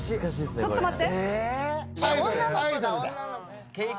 ちょっと待って。